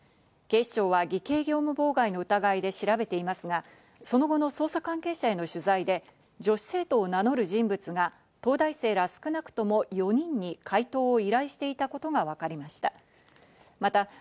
警視庁は偽計業務妨害の疑いで調べていますが、その後の捜査関係者への取材で女子生徒を名乗る人物が東大生ら少なくとも４人に解答を依頼していたことがわかりました。